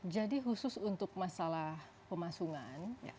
jadi khusus untuk masalah pemasungan